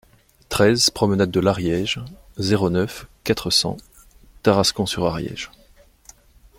treize promenade de l'Ariège, zéro neuf, quatre cents, Tarascon-sur-Ariège